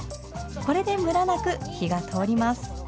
これでムラなく火が通ります。